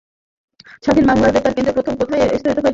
স্বাধীন বাংলা বেতার কেন্দ্র প্রথম কোথায় স্থাপিত হয়েছিল?